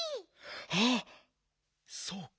あっそうか。